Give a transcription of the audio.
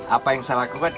apa yang salah aku kan